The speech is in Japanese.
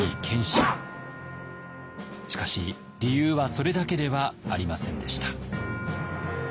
しかし理由はそれだけではありませんでした。